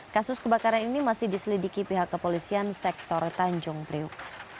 kasus kebakaran ini masih diselidiki pihak kepolisian sektor tanjung priuk